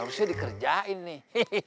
harusnya dikerjain nih